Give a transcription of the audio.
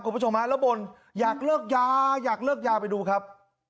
คุณผู้ชมฮะแล้วบ่นอยากเลิกยาอยากเลิกยาไปดูครับ